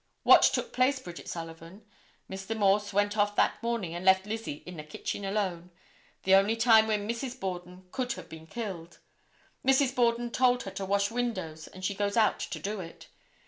What took place, Bridget Sullivan? Mr. Morse went off that morning and left Lizzie in the kitchen alone. The only time when Mrs. Borden could have been killed. Mrs. Borden told her to wash windows and she goes out to do it.